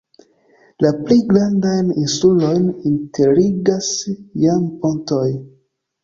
La pli grandajn insulojn interligas jam pontoj.